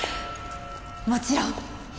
もちろん。